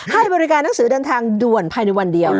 ให้บริการหนังสือเดินทางด่วนภายในวันเดียว